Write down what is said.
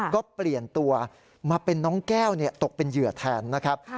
ก็เปลี่ยนตัวมาเป็นน้องแก้วตกเป็นเหยื่อแทนนะครับ